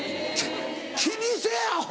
気にせぇアホ！